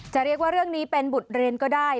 จะเรียกว่าเรื่องนี้เป็นบทเรียนก็ได้